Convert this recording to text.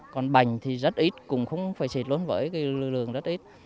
còn bành thì rất ít cũng không phải xịt luôn với lương rất ít